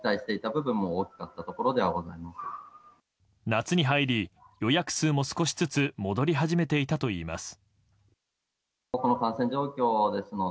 夏に入り、予約数も少しずつ戻り始めていたといいます。